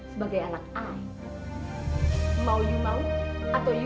saya tidak akan memaksa anda menjadi anak saya